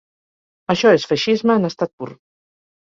Això és feixisme en estat pur.